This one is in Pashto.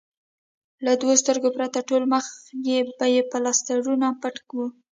له دوو سترګو پرته ټول مخ یې په پلاسټرونو کې پټ و.